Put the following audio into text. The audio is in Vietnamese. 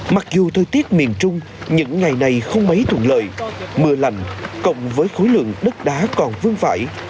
mặc dù thời tiết miền trung những ngày này không mấy thuận lợi mưa lành cộng với khối lượng đất đá còn vương phải